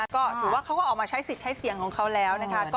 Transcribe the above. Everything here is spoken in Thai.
ก็ถือว่าเขาก็ออกมาใช้สิทธิ์ใช้เสียงของเขาแล้วนะคะ